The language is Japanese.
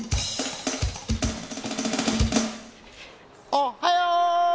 おっはよ！